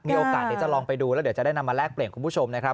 เดี๋ยวจะลองไปดูแล้วเดี๋ยวจะได้นำมาแลกเปลี่ยนคุณผู้ชมนะครับ